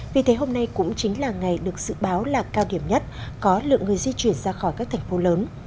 vì thế hôm nay cũng chính là ngày được dự báo là cao điểm nhất có lượng người di chuyển ra khỏi các thành phố lớn